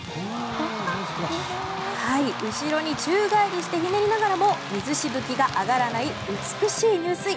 後ろに宙返りしてひねりながらも水しぶきが上がらない美しい入水。